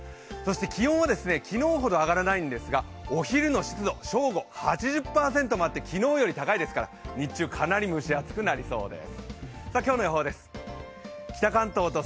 気温は昨日ほど上がらないんですが、お昼の湿度、正午、８０％もあって昨日より高いですから日中、かなり蒸し暑くなりそうです。